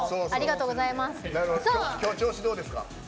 今日、調子どうですか？